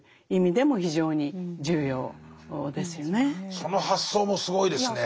その発想もすごいですね。